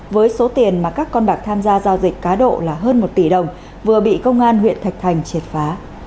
với số tiền mà các con bạc tham gia giao dịch cá độ là hơn một tỷ đồng vừa bị công an huyện thạch thành triệt phá